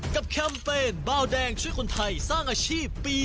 แคมเปญเบาแดงช่วยคนไทยสร้างอาชีพปี๒๕